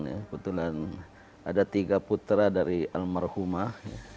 kebetulan ada tiga putra dari almarhumah